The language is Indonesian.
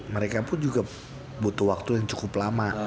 mereka pun juga butuh waktu yang cukup lama